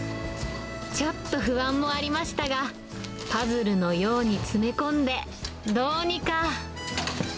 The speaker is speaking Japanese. ちょっと不安もありましたが、パズルのように詰め込んで、どうにか。